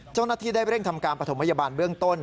เจ้าหน้าที่ได้เร่งทำการประถมพยาบาลเบื้องต้น